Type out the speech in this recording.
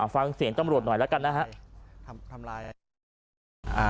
ฟังเสียงตำรวจหน่อยแล้วกันนะฮะ